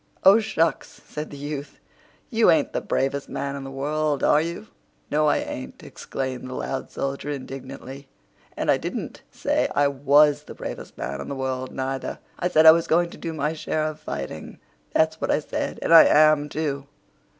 "Oh, shucks!" said the youth. "You ain't the bravest man in the world, are you?" "No, I ain't," exclaimed the loud soldier indignantly; "and I didn't say I was the bravest man in the world, neither. I said I was going to do my share of fighting—that's what I said. And I am, too.